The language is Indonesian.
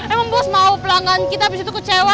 emang bos mau pelanggan kita habis itu kecewa